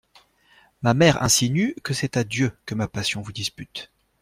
Ma mère insinue que c'est à Dieu que ma passion vous dispute.